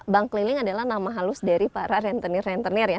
bank keliling adalah nama halus dari para rentenir rentenir ya